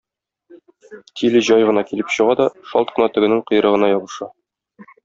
Тиле җай гына килеп чыга да, шалт кына тегенең койрыгына ябыша.